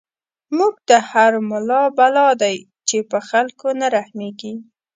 موږ ته هر ملا بلا دی، چی په خلکو نه رحميږی